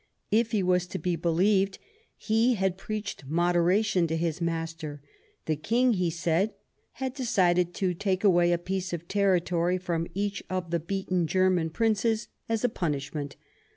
If he was to be believed, he had preached moderation to his master. " The King," he said, " had decided to take away a piece of territory from each of the beaten German Princes, as a punishment.